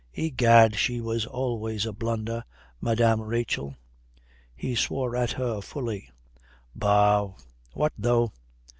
Egad, she was always a blunder, Madame Rachel." He swore at her fully. "Bah, what though?